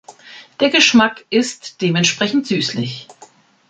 Der Geschmack ist dementsprechend süßlich.